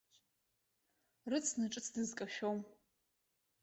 Рыцны ҿыц дызкашәом.